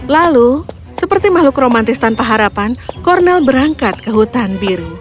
lalu seperti makhluk romantis tanpa harapan cornel berangkat ke hutan biru